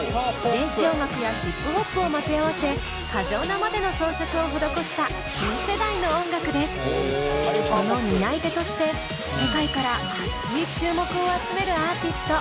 電子音楽やヒップホップを混ぜ合わせ過剰なまでの装飾をほどこしたその担い手として世界からアツい注目を集めるアーティスト。